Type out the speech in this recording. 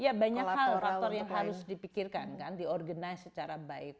ya banyak hal faktor yang harus dipikirkan kan diorganize secara baik